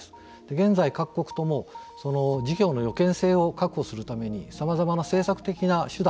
現在各国ともその事業の予見性を確保するためにさまざまな政策的な手段